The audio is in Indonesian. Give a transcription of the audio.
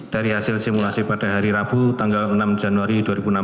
dari hasil simulasi pada hari rabu tanggal enam januari dua ribu enam belas